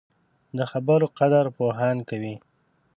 د خبرو قدر پوهان کوي